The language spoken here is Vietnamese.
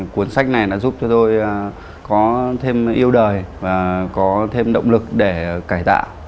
cuốn sách này đã giúp cho tôi có thêm yêu đời và có thêm động lực để cải tạo